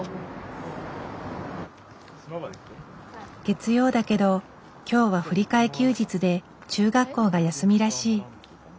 月曜だけど今日は振り替え休日で中学校が休みらしい。